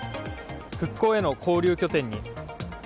復興への交流拠点に。